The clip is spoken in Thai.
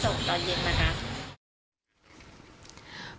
ทุกเช้าทุกเย็นตอนตอนเช้ามาส่งตอนเย็นมารับ